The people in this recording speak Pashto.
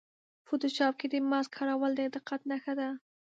فوټوشاپ کې د ماسک کارول د دقت نښه ده.